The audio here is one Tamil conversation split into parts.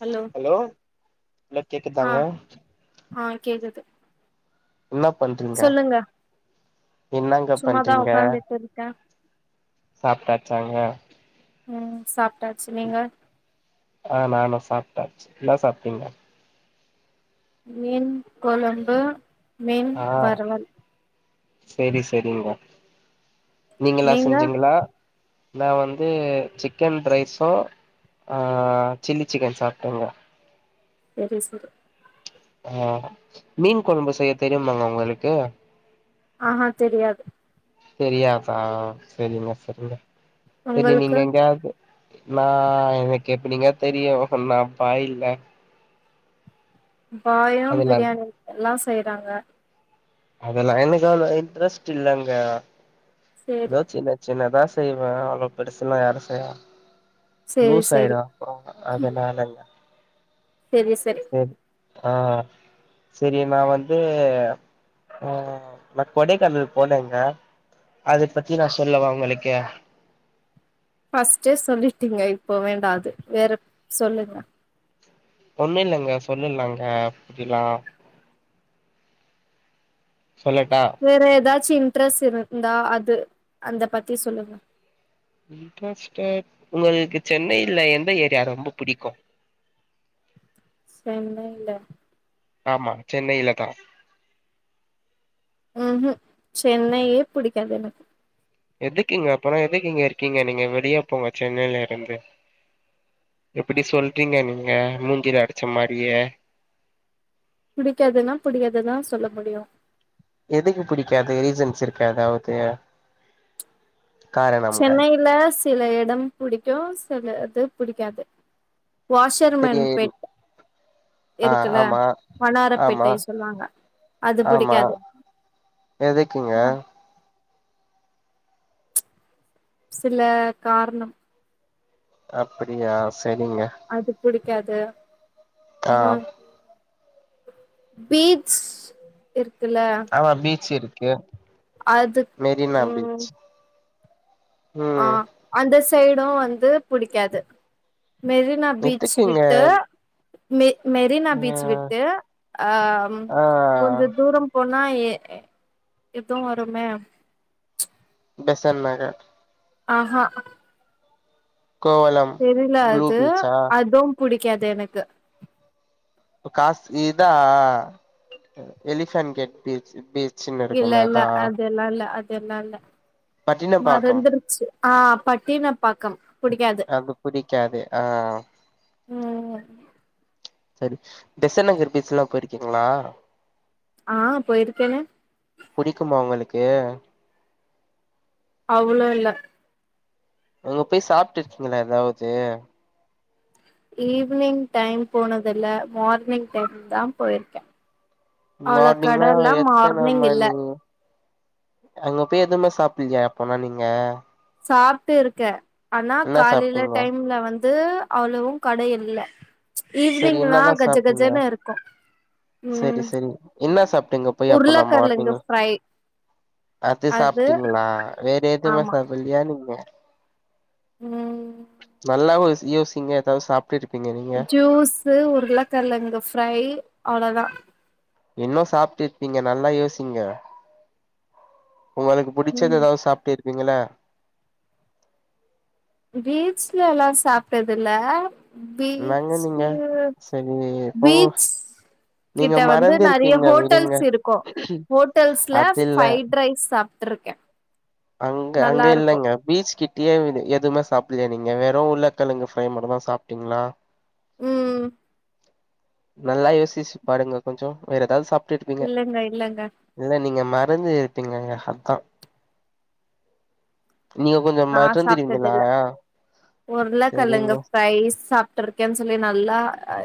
ஹலோ ஹலோ ஆ கேக்குதாங்க ஆ கேக்குது இன்னா பண்றீங்க சொல்லுங்க என்னாங்க சும்மாதா பண்றீங்க உக்காந்துட்டு இருக்கே சாப்டாச்சாங்க ம் சாப்டாச்சு நீங்க ஆ நானு சாப்ட்டாச்சு என்னா சாப்டீங்க மீன் கொழம்பு மீன் ஆ வறுவல் செரி செரிங்கோ நீங்களா நீங்க செஞ்சீங்களா நா வந்து சிக்கன் ரைஸு ஆ சில்லி சிக்கன் சாப்டங்க சேரி சேரி ஆ மீன் கொழம்பு செய்ய தெரியுமாங்க உங்களுக்கு ஆஹா தெரியாது தெரியாசா செரிங்க செரிங்க செரி நீங்க உங்களுக்கு எங்கயாது நா எனக்கு எப்பிடிங்க தெரியு நா பாய்யில்ல பாயும் அதெல்லா பிரியாணி எல்லா செய்றாங்க அதெல்லாம் எனக்கு அவ இன்டரெஸ் இல்லங்க சேரி ஏதோ ஜின்ன ஜின்னதா செய்வேன் அவ்ளோ பெருசெல்லாம் யாரும் செய்வா சேரி லூஸ் சேரி ஆயிரு ஓ அதனாலங்க செரி செரி சேரி ஆ செரி நா வந்து ம் நா கொடைக்கானல் போனேங்க அத பத்தி நா சொல்லவா ஒங்களுக்கு ஃபஸ்ட்டே சொல்லிட்டீங்க இப்போ வேண்டா அது வேற சொல்லுங்க ஒண்ணு இல்லங்க சொல்ல நாங்க சொல்லட்டா வேற எதாச்சி இன்ட்ரெஸ்ட் இருந்தா அது அந்த பத்தி சொல்லுங்க இன்ட்ரஸ்டட் ஒங்களுக்கு சென்னைல எந்த ஏரியா ரொம்ப புடிக்கு சென்னைல்ல ஆமா சென்னையில தா ம் ம் சென்னையே புடிக்காது எனக்கு எதுக்குங்க அப்பறோ எதுக்குங்க இருக்கீங்க நீங்க வெளிய போங்க சென்னையிலருந்து எப்படி சொல்றீங்க நீங்க மூஞ்சில அடுச்ச மாரியே புடிக்காதுன்னா புடிக்காதுந்தான் சொல்ல முடியும் எதுக்கு புடிக்காது ரீசன்ஸ் இருக்க எதாவ்து சென்னையில சில எடம் புடிக்கும் சில இது புடிக்காது திடீர் வாஷர்மெனிபெட் ஆ இருக்குல்ல ஆமா ஆமா வணாரப்பேட்டை சொல்வாங்க அது ஆமா புடிக்காது எதுக்குங்க ஆ சில காரணம் அப்படியா செரிங்க அது புடிக்காது ஆ இன்னோ பீட்ச் இருக்குல்ல ஆ பீச்ருக்கு அதுக் மெரினா பீச் ஆ ம் அந்த சைடும் வந்து புடிக்காது மெரி னா பீச்சு எதுக்குங்க கிட்ட மெ மெரினா ஆ பீச் விட்டு அம் ஆ கொஞ்சோ தூரம் போனா எ எதுவு வருமே பெசன்ட் நகர் ஆஹா கோவலம் தெரில ப்ளூ அது பீச்சா அதும் புடிக்காது எனக்கு காஸ் இதா எலிஃபென்ட் கேட் பீச் பீ இல்ல இல்ல அதெல்லாம் இல்ல அதெல்லாம் இல்ல பட்டினப்பாக்கம் மறந்துரு ச்சு ஆ பட்டினப்பாக்கம் புடிக்காது அது புடிக்காது ஆ ம் செரி பெசன்ட் நகர் பீச் எல்லா போயிருக்கீங்களா ஆ போயிருக்கேனே புடிக்குமா உங்களுக்கு அவ்ளோ இல்ல அங்க போய் சாப்ட்டிருக்கீங்ளா எதாவ்து ஈவி்னிங் டைம் போனதுல்ல மார்னிங் டைம் தா போயிருக்கே அவ்ளோ மார்னிங்னா கடல்லா எத்தன மார்னிங் இல்ல மணி அங்க பேய் எதுமே சாப்புட்லியா அப்போனா நீங்க சாப்ட்டு இருக்கே ஆனா என்ன காலையில சாப்ட்டீங்க டைம்ல வந்து அவ்ளோவு கட இல்ல சரி ஈவ்னிங்னா என்னதா கஜ சாப்ட்டீங்க கஜன்னு இருக்கு சரி ம் சரி என்ன சாப்ட்டிங்கப் போய் அப்போனா உருளக்கெழங்கு மார்னிங்கு ஃப்ரை அது சாப்ட்டீங்ளா வேற எதுமே ஆமா சாப் பில்லியா நீங்க ம் நல்லா ஓ யோசிங்க எதாவ் சாப்ட்டுருப் ஜூஸ்ஸு உருளக்கெழங்கு ஃப்ரை அவ்ளதா இன்னு சாப்ட்டிருப்பீங்க நல்லா யோசிங்க உங்களுக்கு புடிச்சது ம் எதாவ் சாப்ட்டிருப்பீங்களே பீச்லலா சாப்ட்டதில்ல என்னங்க நீங்க பீச்சு சரி போங்க பீச் நீங்க கிட்ட வந்து நெறைய மறந்துருப்பீங்க விடுங்க ஹோட்டல்ஸ் இருக்கு ஹோட்டல்ஸ்ல அது இல்ல ஃபை ட் ரைஸ் சாப்ட்ருக்கே அங்க அங்க நல்லா இருக்கு இல்லங்க பீச் கிட்டேயே நி எதுமே சாப்புல்லையா நீங்க வெறு உருளகெழங்கு ஃப்ரை மட்டுந்தா சாப்ட்டீங்க்ளா ம் நல்லா யோசிச்சு பாருங்க கொஞ்சொ வேற எதாவ்து சாப்ட்ருப்பீங்க இல்லங்க இல்லங்க இல்ல நீங்க மறந்து இருப்பீங்கங்க அதா நீங்க கொஞ்ச மறந்துருவிங்களா உருளகெழங்கு ஃப்ரை சாப்ட்டுருக்கேன் சொல்லி நல்லா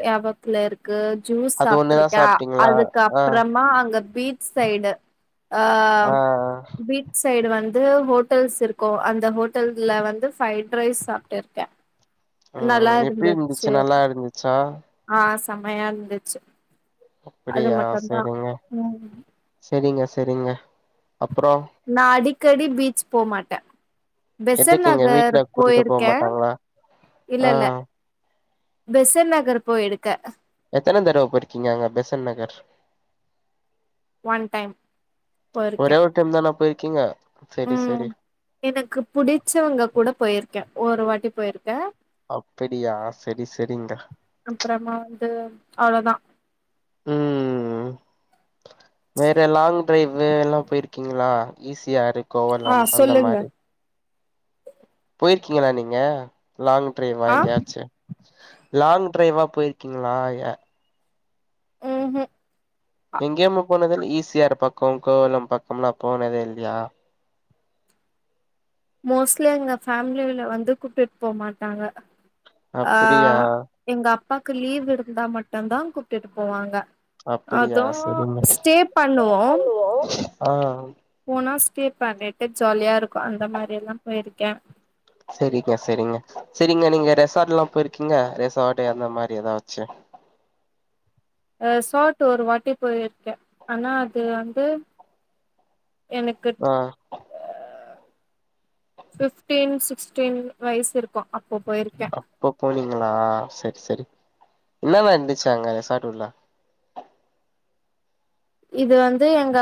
ஞாப த்துலருக்கு ஜூஸ் அது ஒண்ணுதா சாப்ட்ருக்கே சாப்ட்டீங்களா ஆ அதுக்கப்றமா அங்க பீ சைடு ஆ ஆ பீச் சைடு வந்து ஹோட்டல்ஸ் இருக்கு அந் அந்த ஹோட்டல்ல வந்து ஃபைட் ரைஸ் சாப்ட்டுருக்கே நல்லா ம் எப்டி இருந்துச்சு ஊருந்துச்சு நல்லா இருந்துச்சா ஆ செம்மயா இருந்துச்சு அது மட்டுந்தா ம் செரிங்க செரிங்க அப்றோ நா அடிக்கடி பீச் போமாட்டே பெசன்ட் எதுக்குங்க நகர் வீட்ல கூட்டிட்டு போ போயிருக்கே மாட்டாங்களா இல்ல ஆ இல்ல பெசன்ட் நகர் போய் இருக்கே எத்தன தடவ போயிருக்கீங்க அங்க பெசன்ட் நகர் ஒன் டைம் போய் ஒரே இருக்கே ஒரு டைம் தானா போயிருக்கீங்க சரி சரி எனக்கு புடிச்சவங்க கூட போய் இருக்கே ஒரு வாட்டி போய் இருக்கே அப்படியா செரி செரிங்க அப்றமா வந்து அவ்ளதா ம் வேற லாங் டிரைவு எல்லா போய் இருக்கீங்களா ஈ ஸி ஆரு ஆ கோவளம் அந்த சொல்லுங்க மாரி போயிருக்கீங்களா நீங்க லாங் ட்ரைவா ஆ எங்கயாச்சு லாங் ட்ரைவா போயிருக்கீங்களா எ ம் ஹூம் எங்கேயுமா போனதில்ல ஈ சி ஆர் பக்கோ கோவளம் பக்கம்லா போனதே இல்லையா மோஸ்ட்லி எங்க ஃபேமிலியில வந்து கூப்டுட்டு போக மாட்டாங்க ஆ அப்படியா எங்க அப்பாக்கு லீவ் இருந்தா மட்டுந்தா கூப்ட்டுட்டு போவாங்க அப்படியா அது செரிங்க ஸ்டே பண்ணுவோ ஆ போனா ஸ்டே பண்ணிட்டு ஜாலியா இருக்கு அந்த மாரில்லா போயிருக்கே செரிங்க செரிங்க செரிங்க நீங்க ரெசார்ட்ல்லா போயிருக்கீங்க ரெசார்ட் அந்த மாரி எதாச்சு ஆ ரெசாட்டு ஒரு வாட்டி போயிருக்கே ஆனா அது வந்து எனக்கு ஆ ஃபிப்டீன் சிக்ஸ்டீன் வயசு இருக்கு அப்போ போயிருக்கே அப்ப போனீங்களா செரி செரி என்னலா இருந்துச்ச அங்க ரெசாட்டுல்ல இது வந்து எங்க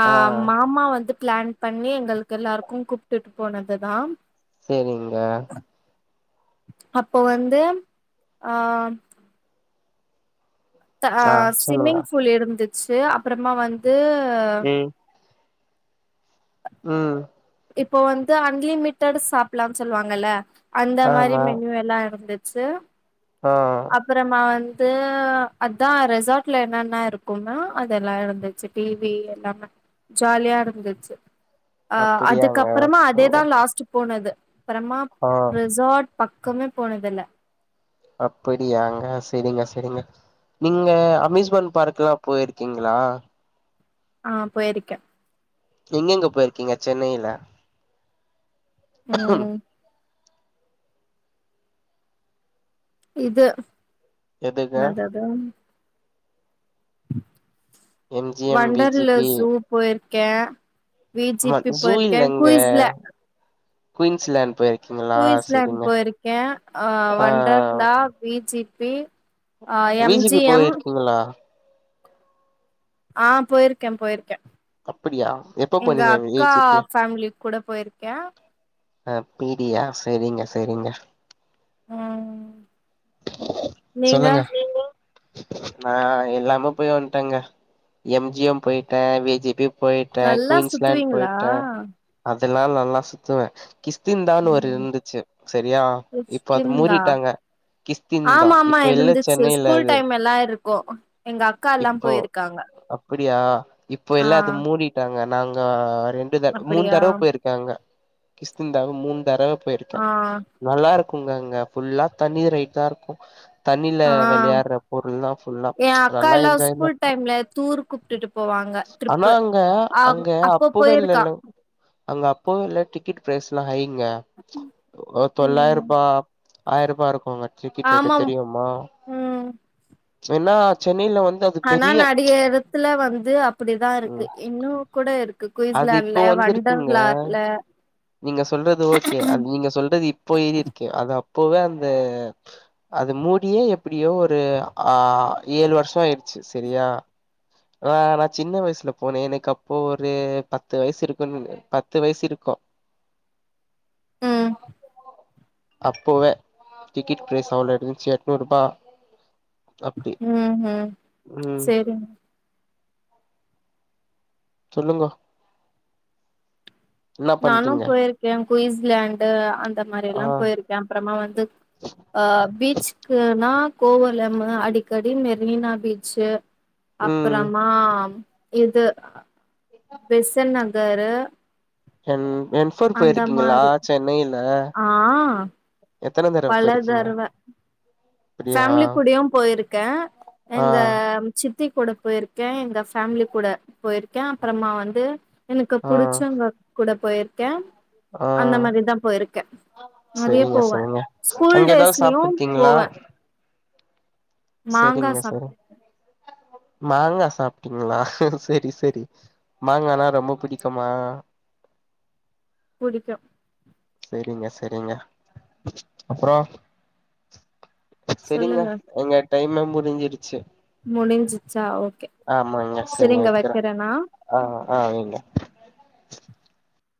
ஆ மாமா வந்து பிளான் பண்ணி எங்களுக்கு எல்லாருக்கு கூப்பிட்டுட்டு போனதுதா சேரிங்க அப்ப வந்து ஆ தா ஆ சொல்லுங்க ஸ்விம்மிங் பூல் இருந்துச்சு அப்றமா வந்து ம் ம் இப்ப வந்து அன்லிமிட்டட் சாப்ட்லான்னு சொல்லுவாங்கல்ல அந்த மாரி ஆமா மென்யூ எல்லா இருந்து ச்சு ஆ அப்புறமா வந்து அதா ரெசார்ட்ல என்னென்ன இருக்குன்னா அதெல்லா இருந்துச்சு டிவி எல்லாமே ஜாலியா இருந்துச்சு ஆ அப்படியாங்க அதுக்கப்புறமா அதேதா செரிங்க லாஸ்ட் போனது அப்றமா ஆ ரெசார்ட் பக்கமே போனதில்ல அப்படியாங்க செரிங்க செரிங்க நீங்க அம்யூஸ்மெண்ட் பார்க் எல்லா போயிருக்கீங்களா ஆ போயிருக்க எங்க எங்க போயிருக்கீங்க சென்னையில ம் இது எதுங்க என்னாது அது M G M P G Wonderla B zoo போயிருக்கே வி ஜி பி ஜூ போயிருக்கே கூயிஸ்ல குயின்ஸ்லேன்ட் போயிரிக் கூயிஸ்லாண்ட் போயிருக்கே ஆ வண்டர்லா வி ஜி பி ஆ V M G P M போயிருக்கீங்களா ஆ போயிருக்கே போயிருக்கே அப்படியா எப்ப எங்க போனீங்க வி அக்கா ஜி பி ஃபேமிலி கூட போயிருக்கே அப்பிடியா சேரிங்க சேரிங்க ம் நீங்க சொல்லுங்க நா எல்லாமே போய் வட்டேங்க எம் ஜி எம் போயிட்டே வி ஜி பி போயிட்டே நல்லா குயின்ஸ்லேண்ட் சுத்துவீங்களா போயிட்டே அதெல்லா நல்லா சுத்துவே கிஸ்கிந்தான்னு ஒரு ன்னு ம் இருந்துச்சு செரியா இப்ப அது சிக்கிம்தா மூடிட்டாங்க கிஸ்திந்தா ஆமா ஆமா இப்ப இல்ல இருந்துச்சு சென்னையில ஸ்கூல் அது டைம் எல்லா இருக்கு எங்க அக்கா எல்லா போயிருக்காங்க அப்பிடியா இப்போ ஆ எல்லா அது மூடிட்டாங்க நாங்க ரெண்டு தட மூணு அப்படியா தடவ போயிருக்கோ காங்க கிஸ்கிந்தாவ மூன் தறவ போய்ருக்க ஆ நல்லா இருக்குங்க அங்க ஃபுல்லா தண்ணி ரைட் தா இருக்கு தண்ணில ஆ வெளையாட்ற பொருள்ல்லா ஃபுல்லா எ அக்கா நல்லா எல்லா என்ஜாய் தா ஸ்கூல் டைம்ல டூர் கூப்ட்டுட்டு போவாங்க ஆனா ட்ரிப்பு அங்க ஆ அங்க அப்போ அப்பவே போயிருக்கா இல்லல்ல அங்க அப்பவே இல்ல டிக்கெட் ப்ரைஸ்ல்லா ஹைங்க ம் தொள்ளாயிருபா ஆயிர வ இருக்குங்க டிக்கெட் ரேட்டு ஆமாம் தெரியுமா ம் ஏன்னா சென்னையில வந்து அது ஆனா பெரிய நடிக எடத்துல வந்து அப்டிதா இருக்கு ம் இன்னு கூட இருக்கு அது இப்போ குயிஸ்லாண்ட்ல வந்துருக்குங்க வண்டர்லார்ல நீங்க சொல்றது ஓகே அ நீங்க சொல்றது இப்போ ஏறிருக்கு அது அப்போவே அந்த அது மூடியே எப்டியோ ஒரு ஆ ஏழு வருஷோ ஆய்ருச்சு சரியா ஆ நா சின்ன வயசுல போனே எனக்கு அப்போ ஒரு பத்து வயசு இருக்கு னு பத்து வயசு இருக்கு ம் அப்போவே டிக்கெட் ப்ரைஸ் அவ்ளோ இருந்துச்சு எட்நூருபா அப்டி ம் ம் ம் சேரிங்க சொல்லுங்கோ என்ன நானு பண்றீங்க போயிருக்கே குயிஸ்லாண்டு அந்த ஆ மாரில்லா போய்ருக்க அப்பறமா வந்து அ பீச்கு னா கோவலமு அடிக்கடி மெரினா பீச்சு ம் அப்பறமா இது பெசன்ட் நகரு என் என்ஃபோர் அந்த போயிருக்கீங்களா மாரி சென்னைல ஆ பல போயிருக்கீங்க தரவ அப்டியா ஃபேமிலி கூடயு போய்ருக்க ஆ எங்க சித்தி கூட போய்ருக்க எங்க ஃபேமிலி கூட போய்ருக்க அப்பறமா வந்து எனக்கு ஆ புடிச்சவங்க கூட போய்ருக்க ஆ அந்த மாரிதா போய்ருக்க நெறைய சரிங்க போவ சரிங்க ஸ்கூல் அங்க ஏதாவது டேஸ்லியு சாப்ட்டுருக்கீங்களா போவ சரிங்க சாப் சரி மாங்கா சாப்ட்டிங்களா சரி சரி சரி மாங்கானா ரொம்ப புடிக்குமா புடிக்கு சரிங்க சரிங்க அப்றோ சரிங்க சொல்லுங்க எங்க டைம்மே முடிஞ்சிருச்சு முடிஞ்சிச்சா ஓகே ஆமாங்க செரி சரிங்க வைக்கிறே வெக்கறண்ணா ஆ அ வைங்க